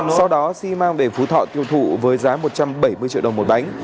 sau đó xi mang về phú thọ tiêu thụ với giá một trăm bảy mươi triệu đồng một bánh